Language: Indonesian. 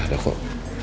gak ada kok